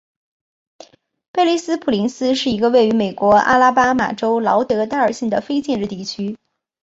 贝利斯普林斯是一个位于美国阿拉巴马州劳德代尔县的非建制地区。